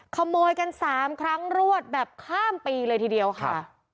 ขโมยกัน๓ครั้งรวดแบบข้ามปีเลยทีเดียวค่ะ